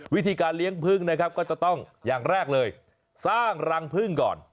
วิธีการเลี้ยงพึ่งนะครับก็จะต้องอย่างแรกเลยสร้างรังพึ่งก่อน